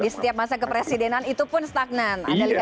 di setiap masa kepresidenan itu pun stagnan